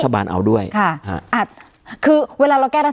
การแสดงความคิดเห็น